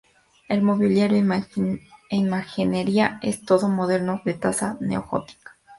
El mobiliario e imaginería es todo moderno, de traza neogótica.